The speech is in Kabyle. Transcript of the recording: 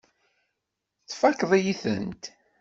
Tfakkeḍ-iyi-tent.